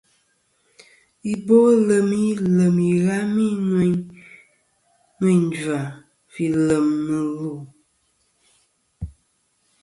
Ibolem ilem ìghami ŋweyn ngva fi lem nɨ lu'.